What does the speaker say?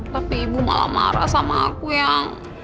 tapi ibu malah marah sama aku yang